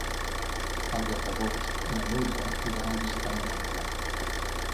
El deu d'agost na Núria irà a visitar mon oncle.